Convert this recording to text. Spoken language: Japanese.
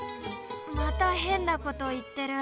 またへんなこといってる。